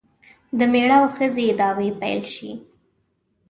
د میړه او ښځې دعوې پیل شي.